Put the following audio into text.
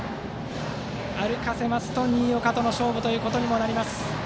歩かせますと新岡との勝負となります。